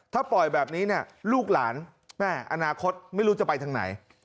ถ้าปล่อยแบบนี้เนี่ยลูกหลานแม่อนาคตไม่รู้จะไปทางไหน